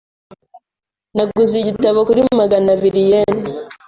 Naguze igitabo kuri magana abiri yen .